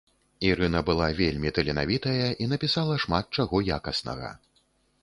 Ірына была вельмі таленавітая і напісала шмат чаго якаснага.